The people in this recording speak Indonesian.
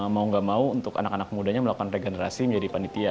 mau gak mau untuk anak anak mudanya melakukan regenerasi menjadi panitia